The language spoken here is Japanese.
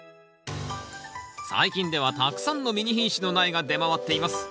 最近ではたくさんのミニ品種の苗が出回っています。